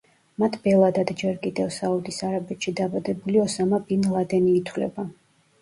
მათ ბელადად ჯერ კიდევ საუდის არაბეთში დაბადებული ოსამა ბინ ლადენი ითვლება.